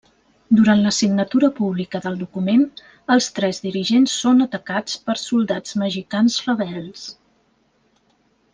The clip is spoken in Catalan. Durant la signatura pública del document, els tres dirigents són atacats per soldats mexicans rebels.